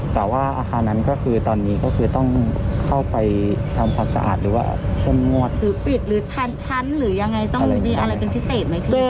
แต่ว่าอาคารนั้นก็คือตอนนี้ก็คือต้องเข้าไปทำความสะอาดหรือว่าเข้มงวดหรือปิดหรือทันชั้นหรือยังไงต้องมีอะไรเป็นพิเศษไหมพี่